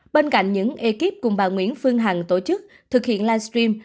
bên cạnh những ekip cùng bà nguyễn phương hằng tổ chức thực hiện live stream